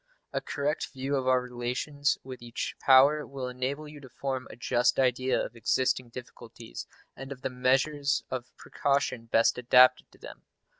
A correct view of our relations with each power will enable you to form a just idea of existing difficulties, and of the measures of precaution best adapted to them.